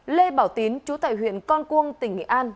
lê bảo tín chú tài huyện con cuông tỉnh nghệ an